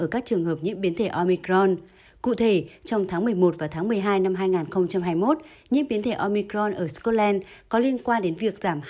các trường hợp nhiễm biến thể omicron cụ thể trong tháng một mươi một và tháng một mươi hai năm hai nghìn hai mươi một nhiễm biến thể omicron ở scotland có liên quan đến việc giảm